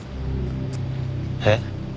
えっ？